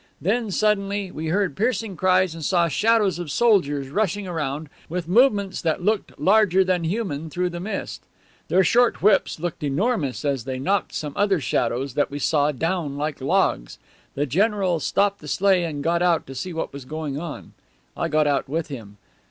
Then, suddenly, we heard piercing cries and saw shadows of soldiers rushing around, with movements that looked larger than human through the mist; their short whips looked enormous as they knocked some other shadows that we saw down like logs. The general stopped the sleigh and got out to see what was going on. I got out with him.